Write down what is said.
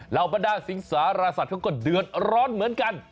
เหล่าปรดาสิงษารสัตว์ก็เดือนร้อนเหมือนกัน